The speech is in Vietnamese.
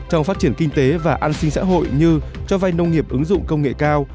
trong phát triển kinh tế và an sinh xã hội như cho vay nông nghiệp ứng dụng công nghệ cao